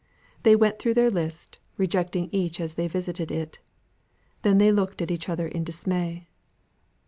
They went through their list, rejecting each as they visited it. They then looked at each other in dismay.